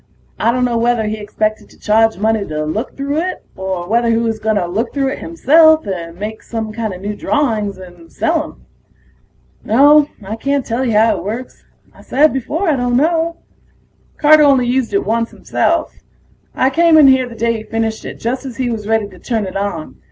I dunno whether he expected to charge money to look through it, or whether he was gonna look through it himself and make some new kinda drawings and sell 'em. No, I can't tell you how it works I said before I don't know. Carter only used it once himself. I came in here the day he finished it, just as he was ready to turn it on.